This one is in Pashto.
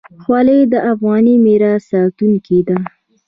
خولۍ د افغاني میراث ساتونکې ده.